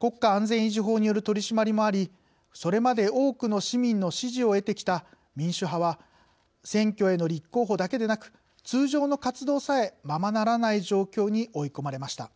国家安全維持法による取り締まりもありそれまで多くの市民の支持を得てきた民主派は選挙への立候補だけでなく通常の活動さえままならない状況に追い込まれました。